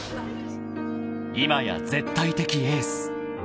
［今や絶対的エース］